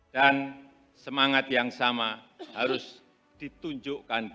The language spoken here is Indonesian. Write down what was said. dan semangat yang sama harus ditunjukkan g dua puluh